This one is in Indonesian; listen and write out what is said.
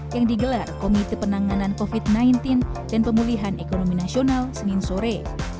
yang digelar komite penanganan covid sembilan belas dan pemulihan ekonomi nasional senin sore